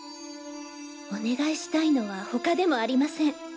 お願いしたいのはほかでもありません